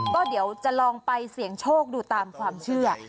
ก็เดี๋ยวจะลองไปเสี่ยงโชคดูตามความเชื่อ